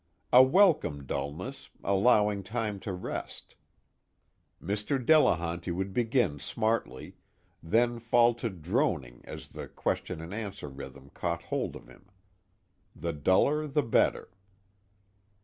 A welcome dullness, allowing time to rest. Mr. Delehanty would begin smartly, then fall to droning as the question and answer rhythm caught hold of him. The duller the better.